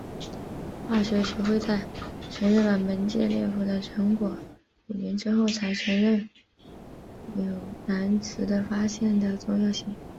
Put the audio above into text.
化学学会在承认了门捷列夫的成果五年之后才承认纽兰兹的发现的重要性。